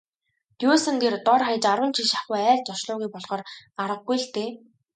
Дюссандер дор хаяж арван жил шахуу айлд зочлоогүй болохоор аргагүй л дээ.